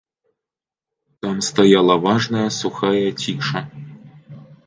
Там стаяла важная, сухая ціша.